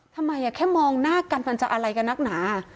ทำไมแค่มองหน้ากันมันจะอะไรกับนักหนา